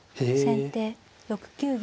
先手６九玉。